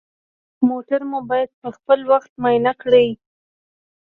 موټر مو باید پخپل وخت معاینه کړئ.